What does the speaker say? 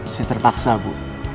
saya terpaksa bu